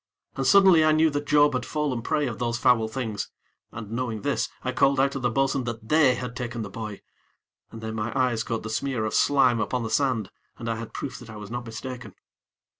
And, suddenly, I knew that Job had fallen prey of those foul things, and, knowing this, I called out to the bo'sun that they had taken the boy, and then my eyes caught the smear of slime upon the sand, and I had proof that I was not mistaken.